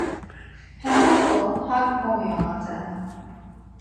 Hem bozo hak momiyonaten.